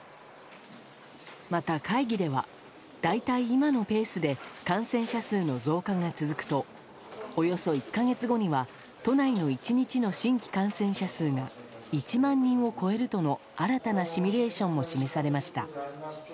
また会議では大体、今のペースで感染者数の増加が続くとおよそ１か月後には都内の１日の新規感染者数が１万人を超えるとの新たなシミュレーションも示されました。